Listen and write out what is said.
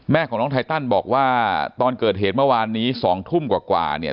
แม่ของน้องไทตันบอกว่าตอนเกิดเหตุเมื่อวานนี้๒ทุ่มกว่าเนี่ย